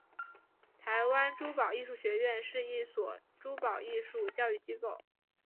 台湾珠宝艺术学院是一所珠宝艺术教育机构。